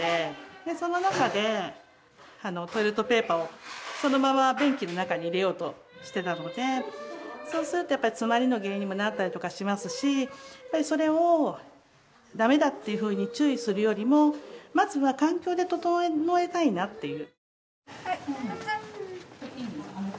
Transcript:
でその中でトイレットペーパーをそのまま便器の中に入れようとしてたのでそうするとやっぱり詰まりの原因にもなったりとかしますしそれをダメだっていうふうに注意するよりもまずは環境で整えたいなっていう。